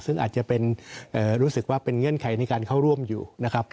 ซึ่งอาจจะเป็นรู้สึกว่าเป็นเงื่อนไขในการเข้าร่วมอยู่นะครับ